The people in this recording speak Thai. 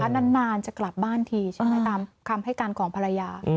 นานจะกลับบ้านทีใช่ไหมตามคำให้การของภรรยา